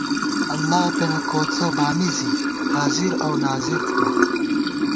اللہ پېنہ کوڅہ بانی زی حاضر اؤ ناظر تھنہ